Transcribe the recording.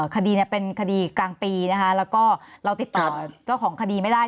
คดีเป็นคดีกลางปีนะคะแล้วก็เราติดต่อเจ้าของคดีไม่ได้